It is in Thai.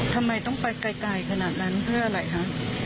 ทำไมต้องไปไกลขนาดนั้นเพื่ออะไรคะ